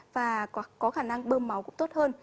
và có khả năng bơm máu cũng tốt hơn